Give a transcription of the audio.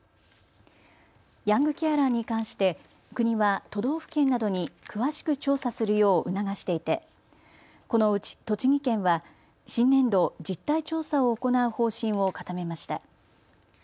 ヤングケアラーに関して国は都道府県などに詳しく調査するよう促していてこのうち栃木県は新年度、実態調査を行う方針を固めました。